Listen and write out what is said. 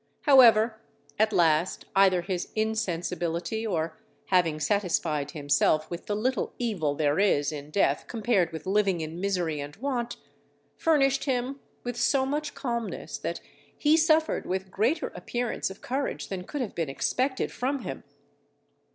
However, at last either his insensibility or having satisfied himself with the little evil there is in death compared with living in misery and want, furnished him with so much calmness that he suffered with greater appearance of courage than could have been expected from him.